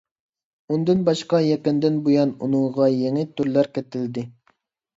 ئۇندىن باشقا يېقىندىن بۇيان ئۇنىڭغا يېڭى تۈرلەر قېتىلدى.